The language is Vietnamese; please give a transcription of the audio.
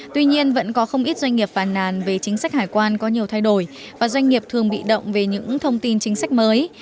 doanh nghiệp phản nàn về chính sách hải quan có nhiều thay đổi và doanh nghiệp thường bị động về những thông tin chính sách mới